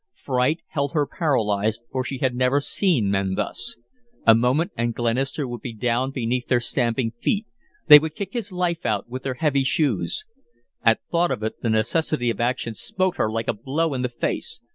Fright held her paralyzed, for she had never seen men thus. A moment and Glenister would be down beneath their stamping feet they would kick his life out with their heavy shoes. At thought of it, the necessity of action smote her like a blow in the face.